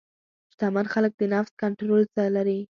شتمن خلک د نفس کنټرول زده لري.